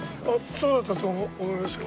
そうだったと思いますよ。